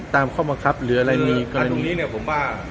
ตามข้อมันครับหรืออะไรมีก่อนคืออันตรงนี้เนี่ยผมว่า